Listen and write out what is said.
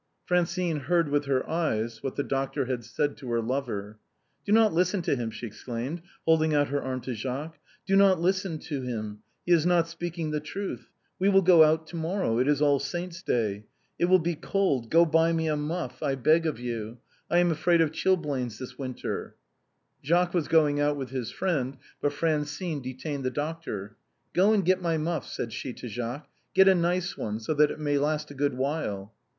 Francine heard with her eyes what the doctor had said to her lover. " Do not listen to him," she exclaimed, holding out her arm to Jacques ;" do not listen to him ; he is not speaking the truth. We will go out to morrow — it is All Saints* Day ; it will be cold — go and buy me a muff, I beg of you. I am afraid of chapped hands this winter." Jacques was going out with his friend, but Francine detained the doctor. " Go and get my muff," said she to Jacques ;" get a nice one, so that it may last a good while."